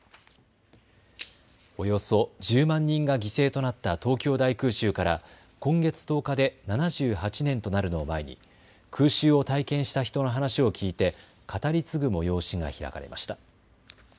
およそ１０万人が犠牲となった東京大空襲から今月１０日で７８年となるのを前に空襲を体験した人の話を聞いて語り継ぐ催しが開かれました。